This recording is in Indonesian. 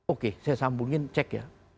oke saya sambungin cek ya